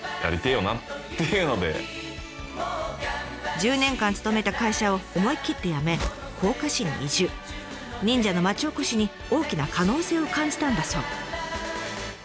１０年間勤めた会社を思い切って辞め忍者の町おこしに大きな可能性を感じたんだそう。